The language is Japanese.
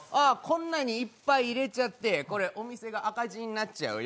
こんなにいっぱいいれちゃってお店が赤字になっちゃうよ。